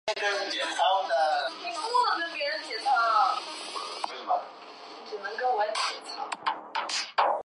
南三陆金华山国定公园是日本宫城县已解除指定的国定公园。